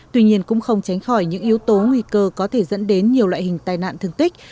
tuy nhiên cũng không tránh khỏi những yếu tố nguy cơ có thể dẫn đến nhiều loại hình tai nạn thương tích